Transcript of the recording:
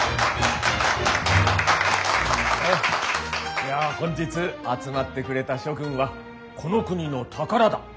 いや本日集まってくれた諸君はこの国の宝だ。